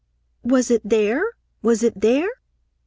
"Was it there? Was it there?"